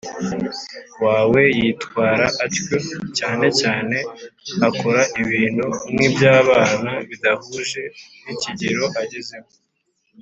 Wawe yitwara atyo cyane cyane akora ibintu nk iby abana bidahuje n ikigero agezemo